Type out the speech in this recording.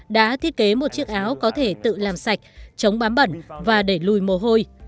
đã thiết kế một chiếc áo có thể tự làm sạch chống bám bẩn và đẩy lùi mồ hôi